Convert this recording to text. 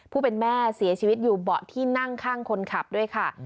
ผู้เป็นแม่เสียชีวิตอยู่เบาะที่นั่งข้างคนขับด้วยค่ะ